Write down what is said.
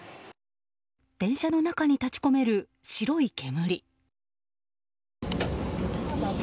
電車の中に立ち込める白い煙。